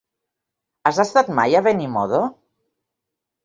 Has estat mai a Benimodo?